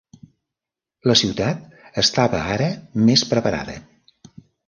La ciutat estava ara més preparada.